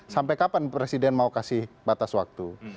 sampai kapan presiden mau kasih batas waktu